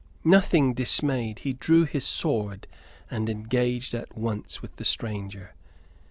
Nothing dismayed, he drew his sword, and engaged at once with the stranger.